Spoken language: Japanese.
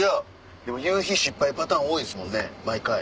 でも夕日失敗パターン多いですもんね毎回。